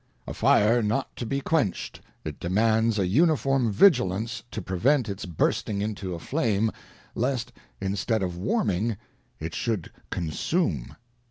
ŌĆö A fire not to be quenched ; it demands a uniform vigilance to prevent its bursting into a flame, lest, instead of warming, it should consume.